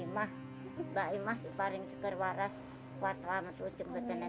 ini adalah orang yang sangat berharga untuk keberryaskan diri saya dan itu adalah memilih victoria ort eating centre